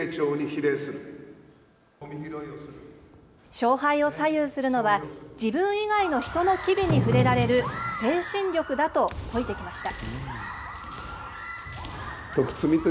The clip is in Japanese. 勝敗を左右するのは自分以外の人の機微に触れられる精神力だと説いてきました。